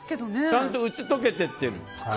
ちゃんと打ち解けていってる。